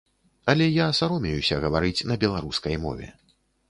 Але я саромеюся гаварыць на беларускай мове.